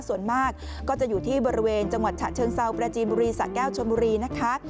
ส่วนมากก็จะอยู่ที่บริเวณจังหวัดฉะเชิงเซาประจีนบุรีสะแก้วชนบุรีนะคะ